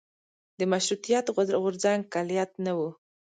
د مشروطیت غورځنګ کلیت نه و.